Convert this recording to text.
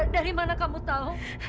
dari mana kamu tahu